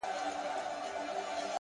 هغې کافري په ژړا کي راته وېل ه؛